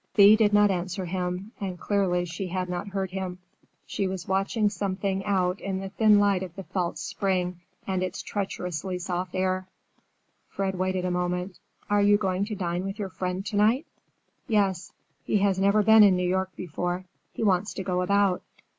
Thea did not answer him, and clearly she had not heard him. She was watching something out in the thin light of the false spring and its treacherously soft air. Fred waited a moment. "Are you going to dine with your friend to night?" "Yes. He has never been in New York before. He wants to go about.